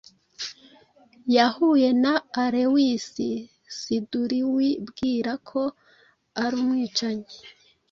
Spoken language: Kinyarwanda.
yahuye na alewise Siduriwibwira ko ari umwicanyi